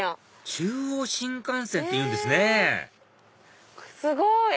中央新幹線っていうんですねすごい！